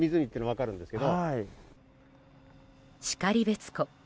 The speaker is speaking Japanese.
然別湖。